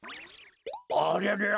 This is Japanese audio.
ありゃりゃ？